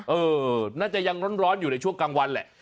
เออน่าจะยังร้อนอยู่ในช่วงกลางวันแหละ